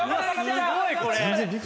「すごい！これ」